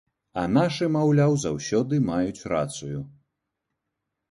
А нашы, маўляў, заўсёды маюць рацыю.